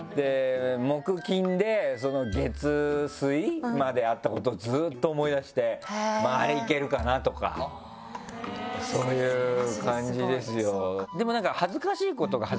木金で月水まであったことをずっと思い出してあれいけるかなとかそういう感じですよでもなんか。